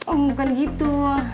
oh bukan gitu